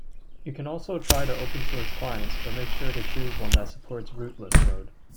You can also try open source clients, but make sure to choose one that supports rootless mode.